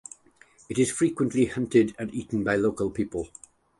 It is frequently hunted and eaten by local people.